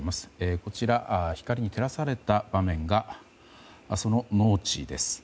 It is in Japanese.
こちら、光に照らされた場面がその農地です。